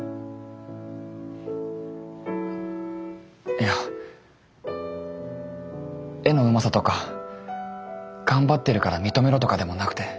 いや絵のうまさとか頑張ってるから認めろとかでもなくて。